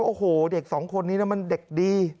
โอ้โหเด็กสองคนนี้มันเด็กดี